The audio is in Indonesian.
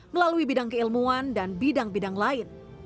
melalui bidang keilmuan dan bidang bidang lain